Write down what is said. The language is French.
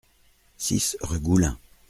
six rue Goulin